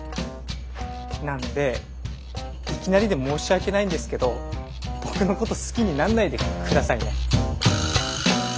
なんでいきなりで申し訳ないんですけど僕のこと好きになんないで下さいね。